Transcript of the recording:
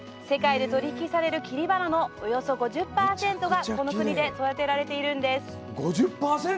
世界で取引される切り花のおよそ５０％が、この国で育てられているんです。